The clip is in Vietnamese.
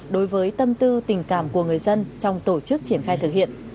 đối với tâm tư tình cảm của người dân trong tổ chức triển khai thực hiện